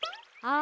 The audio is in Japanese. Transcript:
あ！